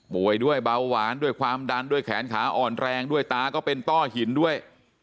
ป่วยด้วยเบาหวานด้วยความดันด้วยแขนขาอ่อนแรงด้วยตาก็เป็นต้อหินด้วย